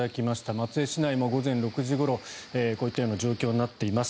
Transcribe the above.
松江市内も午前６時ごろこういったような状況になっています。